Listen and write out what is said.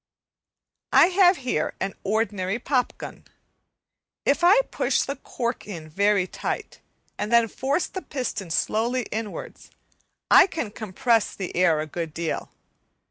Week 8 I have here an ordinary pop gun. If I push the cork in very tight, and then force the piston slowly inwards, I can compress the air a good deal.